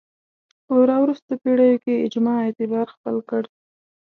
په راوروسته پېړیو کې اجماع اعتبار خپل کړ